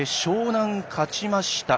湘南勝ちました。